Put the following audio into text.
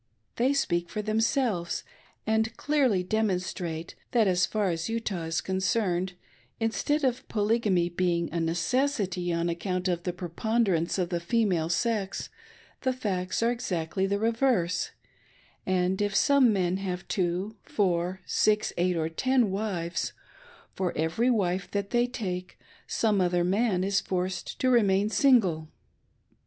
They speak for themselves, and clearly demonstrate that, as far as Utah is concerned, instead of Polygamy being a necessity on account of the preponderance of the female sex, the facts are exactly the reverse ; and if some men have two, four, six, eight or ten wives, for every wife they take some othei' man is forced to remain single.